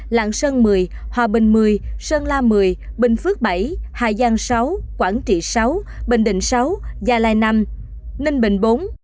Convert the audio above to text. lạng sơn một mươi hòa bình một mươi sơn la một mươi bình phước bảy hà giang sáu quảng trị sáu bình định sáu gia lai năm ninh bình bốn